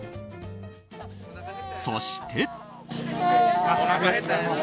そして。